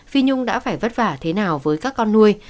phi nhung đã phải vất vả thế nào với các con nuôi